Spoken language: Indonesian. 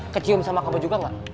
kecium sama kamu juga nggak